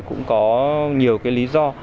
cũng có nhiều lý do